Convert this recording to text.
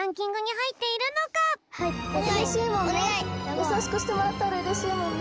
やさしくしてもらったらうれしいもんね。